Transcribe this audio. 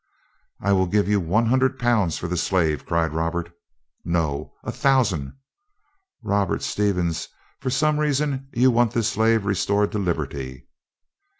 "I will give you one hundred pounds for the slave," cried Robert. "No." "A thousand!" "Robert Stevens, for some reason you want this slave restored to liberty."